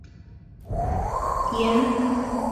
霍普留下许多名言。